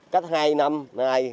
cách hai năm nay